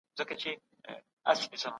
زندان د قانون ماتوونکو لپاره جوړ سوی دی.